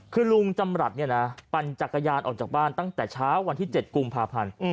คือลุงจำรัฐเนี่ยนะปั่นจักรยานออกจากบ้านตั้งแต่เช้าวันที่๗กุมภาพันธ์